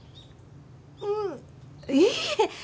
んいいえ